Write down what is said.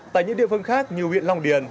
tại những địa phương khác như huyện long điền